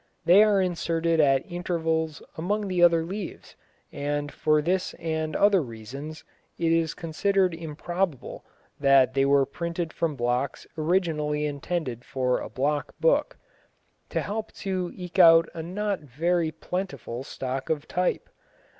They are inserted at intervals among the other leaves, and for this and other reasons it is considered improbable that they were printed from blocks originally intended for a block book, to help to eke out a not very plentiful stock of type.